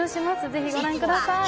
ぜひご覧ください。